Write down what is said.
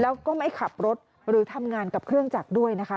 แล้วก็ไม่ขับรถหรือทำงานกับเครื่องจักรด้วยนะคะ